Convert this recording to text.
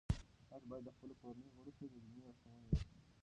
تاسو باید د خپلو کورنیو غړو ته دیني لارښوونه وکړئ.